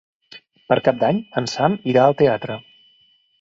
Per Cap d'Any en Sam irà al teatre.